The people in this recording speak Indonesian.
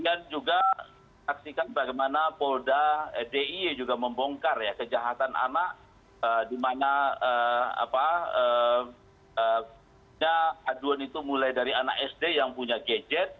kemudian juga saksikan bagaimana polda d i e juga membongkar kejahatan anak di mana aduan itu mulai dari anak sd yang punya gadget